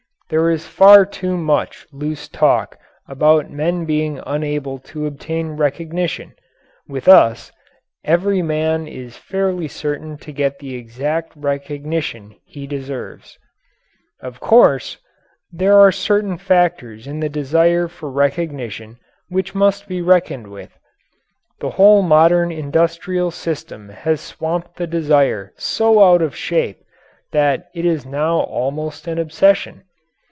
There is far too much loose talk about men being unable to obtain recognition. With us every man is fairly certain to get the exact recognition he deserves. Of course, there are certain factors in the desire for recognition which must be reckoned with. The whole modern industrial system has warped the desire so out of shape that it is now almost an obsession.